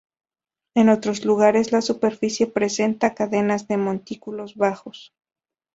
En otros lugares, la superficie presenta cadenas de montículos bajos.